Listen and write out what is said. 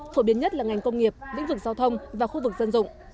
phổ biến nhất là ngành công nghiệp lĩnh vực giao thông và khu vực dân dụng